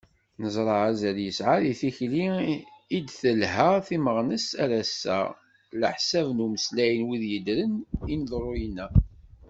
Neẓra azal yesɛa deg tikli i d-telḥa timmeɣnest ar ass-a, ɛlaḥsab n umeslay n wid yeddren ineḍruyen-a.